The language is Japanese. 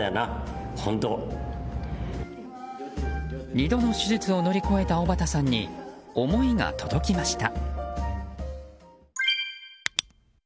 ２度の手術を乗り越えた尾畠さんに、思いが届きました。